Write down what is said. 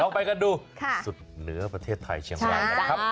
เราไปกันดูสุดเหนือประเทศไทยเชียงราย